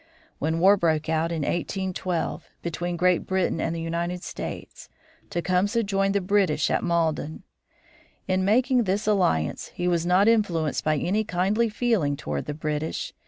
When war broke out in 1812, between Great Britain and the United States, Tecumseh joined the British at Malden. In making this alliance he was not influenced by any kindly feeling toward the British.